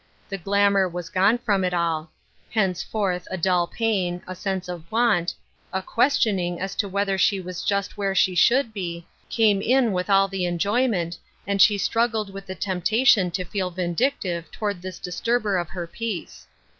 The glamour was gone from it all. Henceforth a dull pain, a sense of want, a questioning as to whether she was just where she should be, came in with all the enjoymei ^ Shadowed Joys. 253 *flA slio stiuggled with the temptation to fecjl viidictive toward this disturber of her peace.